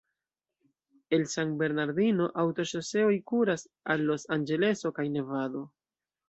El San Bernardino aŭtoŝoseoj kuras al Los-Anĝeleso kaj Nevado.